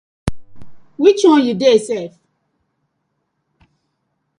Which one yu dey sef?